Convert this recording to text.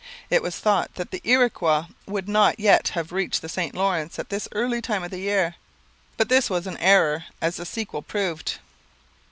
It was thought that the Iroquois would not yet have reached the St Lawrence at this early time of the year; but this was an error, as the sequel proved.